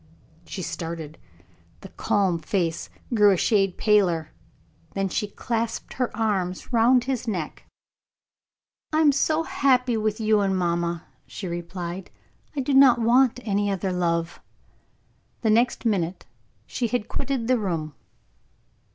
She started, the calm face grew a shade paler, then she clasped her arms round his neck. "I am so happy with you and mamma," she replied, "I do not want any other love." The next minute she had quitted the room.